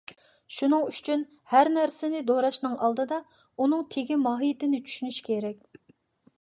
شۇنىڭ ئۈچۈن ھەر نەرسىنى دوراشنىڭ ئالدىدا ئۇنىڭ تېگى ماھىيىتىنى چۈشىنىش كېرەك.